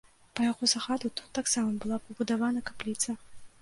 Па яго загаду тут таксама была пабудавана капліца.